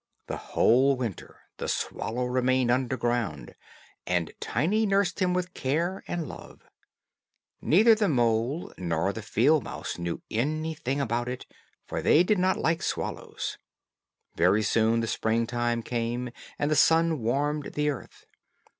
The whole winter the swallow remained underground, and Tiny nursed him with care and love. Neither the mole nor the field mouse knew anything about it, for they did not like swallows. Very soon the spring time came, and the sun warmed the earth.